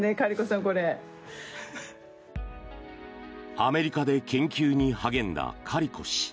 アメリカで研究に励んだカリコ氏。